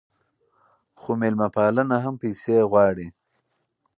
خو میلمه پالنه هم پیسې غواړي.